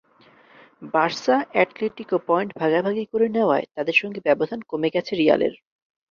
Barca-Atletico point ভাগাভাগি করে নেওয়ায় তাদের সঙ্গে ব্যবধান কমে গেছে রিয়ালের।